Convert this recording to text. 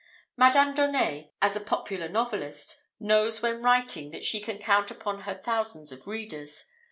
Madame d'Aunet, as a popular novelist, knows when writing that she can count upon her thousands of readers.